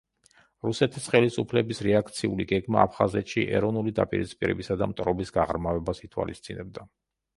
რუსეთის ხელისუფლების რეაქციული გეგმა აფხაზეთში ეროვნული დაპირისპირებისა და მტრობის გაღრმავებას ითვალისწინებდა.